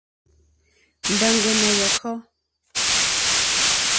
Mbàŋɡɛ̀ nà yɔ̀kɔ́.